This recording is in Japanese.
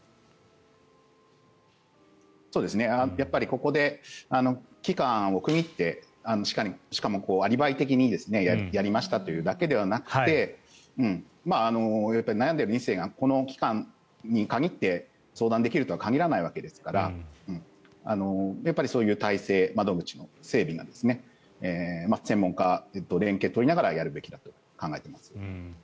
ここで期間を区切ってしかも、アリバイ的にやりましたというだけではなくて悩んでいる２世がこの期間に限って相談できるとは限らないわけですからそういう体制、窓口の整備を専門家と連携を取りながらやるべきだと考えています。